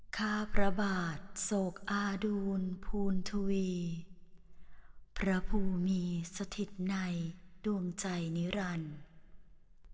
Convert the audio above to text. ข้าพระบาทโศกอาดูลภูณทวีพระภูมิมีสถิตในดวงใจนิรันดิ์